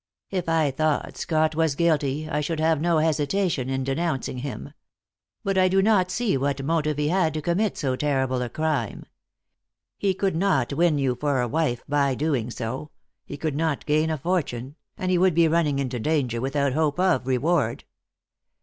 "If I thought Scott was guilty, I should have no hesitation in denouncing him. But I do not see what motive he had to commit so terrible a crime. He could not win you for a wife by doing so; he could not gain a fortune, and he would be running into danger without hope of reward.